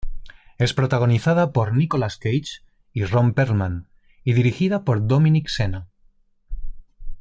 Es protagonizada por Nicolas Cage y Ron Perlman, y dirigida por Dominic Sena.